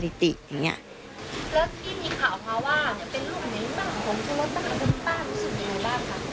รู้สึกยังไงบ้างคะ